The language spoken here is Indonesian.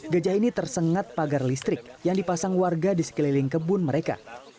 gajah ini tersengat pagar listrik yang dipasang warga di sekeliling kebun mereka